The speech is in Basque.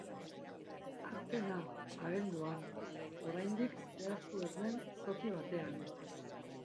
Azkena, abenduan, oraindik zehaztu ez den toki batean.